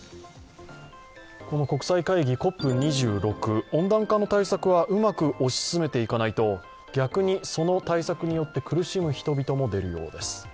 この国際会議、ＣＯＰ２６、温暖化の対策はうまくおし進めていかないと、逆にその対策によって苦しむ人々も出るようです。